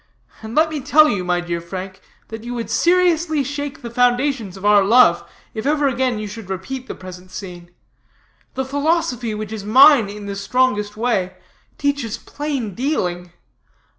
And let me tell you, my dear Frank, that you would seriously shake the foundations of our love, if ever again you should repeat the present scene. The philosophy, which is mine in the strongest way, teaches plain dealing.